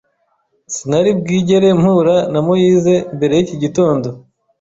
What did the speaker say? Sinari bwigere mpura na Moise mbere yiki gitondo.